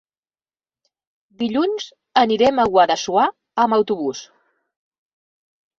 Dilluns anirem a Guadassuar amb autobús.